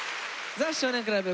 「ザ少年倶楽部」。